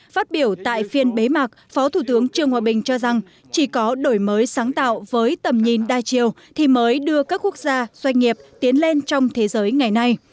phát biểu tại phiên bế mạc phó thủ tướng trương hòa bình cho rằng chỉ có đổi mới sáng tạo với tầm nhìn đa chiều thì mới đưa các quốc gia doanh nghiệp tiến lên trong thế giới ngày nay